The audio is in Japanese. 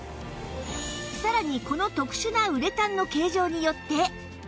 さらにこの特殊なウレタンの形状によって